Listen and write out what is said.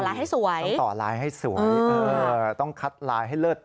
ต่อรายให้สวยต้องต่อรายให้สวยต้องคัดรายให้เลิศ